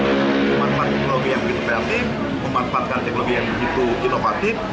dengan memanfaatkan mark teknologi yang begitu kreatif memanfaatkan teknologi yang begitu inovatif